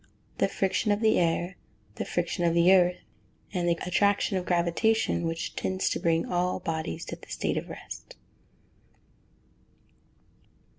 _ The friction of the air, the friction of the earth, and the attraction of gravitation, which tends to bring all bodies to a state of rest.